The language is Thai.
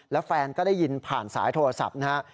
แล้วแฟนก็ได้ยินผ่านสายโทรศัพท์นะฮะ